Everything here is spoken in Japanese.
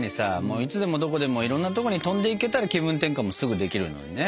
いつでもどこでもいろんなとこに飛んでいけたら気分転換もすぐできるのにね。